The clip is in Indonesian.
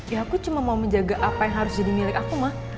ya aku cuma mau menjaga apa yang harus jadi milik aku mah